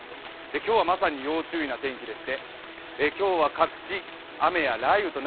今日はまさに要注意な天気です。